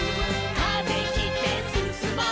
「風切ってすすもう」